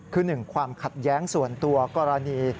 คือหนึ่งความขัดแย้งส่วนตัวกรณี